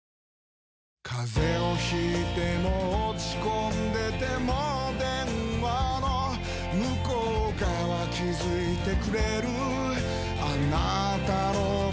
風邪を引いても落ち込んでても電話の向こう側気付いてくれるあなたの声